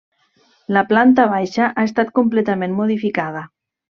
La planta baixa ha estat completament modificada.